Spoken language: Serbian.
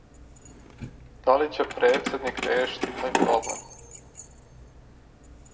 Да ли ће председник решити тај проблем?